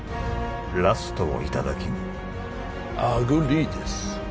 ラストをいただきにアグリーです